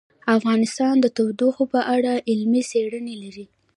افغانستان د تودوخه په اړه علمي څېړنې لري.